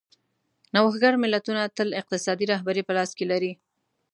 نوښتګر ملتونه تل اقتصادي رهبري په لاس کې لري.